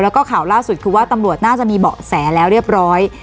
แล้วก็ข่าวล่าสุดคือว่าตำรวจน่าจะมีเบาะแสแล้วเรียบร้อย